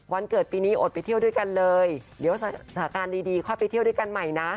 เกิดปีนี้อดไปเที่ยวด้วยกันเลยเดี๋ยวสถานการณ์ดีค่อยไปเที่ยวด้วยกันใหม่นะ